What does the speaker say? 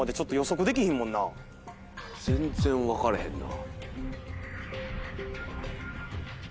全然分かれへんな。